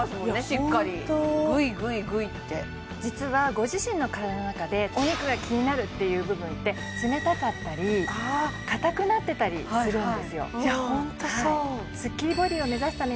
しっかりいやホントグイグイグイって実はご自身の体の中でお肉が気になるっていう部分って冷たかったり硬くなってたりするんですよ